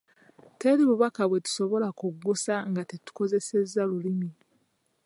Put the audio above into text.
Teri bubaka bwe tusobola kuggusa nga tetukozesezza Lulimi